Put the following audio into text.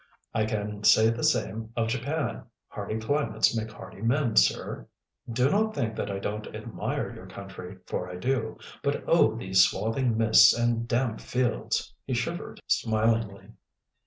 "I can say the same of Japan. Hardy climates make hardy men, sir. Do not think that I don't admire your country, for I do; but oh, these swathing mists and damp fields!" He shivered smilingly.